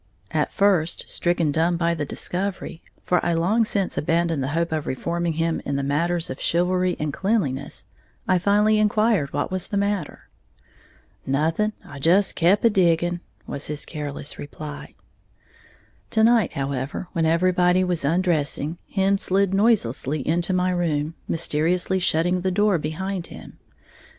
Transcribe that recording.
At first stricken dumb by the discovery for I long since abandoned the hope of reforming him in the matters of chivalry and cleanliness I finally inquired what was the matter. "Nothing, I just kep' a digging," was his careless reply. To night, however, when everybody was undressing, Hen slid noiselessly into my room, mysteriously shutting the door behind him.